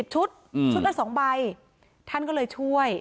ชุดชุดละ๒ใบท่านก็เลยช่วย